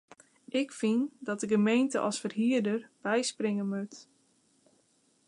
Ik fyn dat de gemeente as ferhierder byspringe moat.